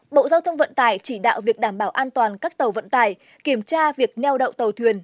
bộ giao thông vận tải chỉ đạo việc đảm bảo an toàn các tàu vận tải kiểm tra việc neo đậu tàu thuyền